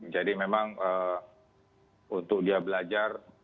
jadi memang untuk dia belajar